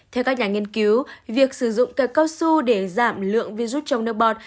theo các nhà nghiên cứu việc sử dụng cây cao su để giảm lượng virus trong nước bọt